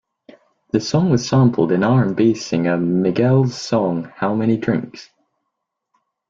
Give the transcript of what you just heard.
The song was sampled in R and B singer Miguel's song How Many Drinks?